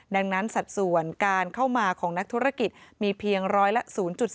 ดังนั้นสัดส่วนการเข้ามาของนักธุรกิจมีเพียงร้อยละ๐๔